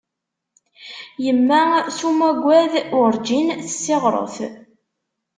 Yemma s umagad, urǧin tessiɣret.